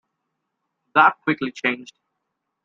That quickly changed.